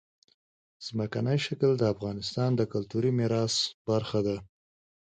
ځمکنی شکل د افغانستان د کلتوري میراث برخه ده.